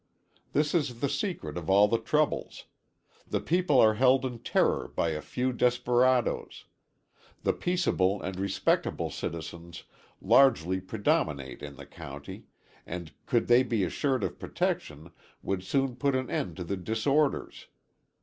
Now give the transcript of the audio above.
This is the secret of all the troubles. The people are held in terror by a few desperadoes. The peaceable and respectable citizens largely predominate in the county, and could they be assured of protection, would soon put an end to the disorders.